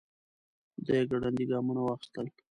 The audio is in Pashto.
دی ګړندي ګامونه واخيستل.